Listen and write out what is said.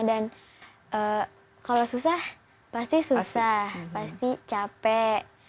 dan kalau susah pasti susah pasti capek